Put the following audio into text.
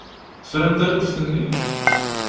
Tefram taluft-nni?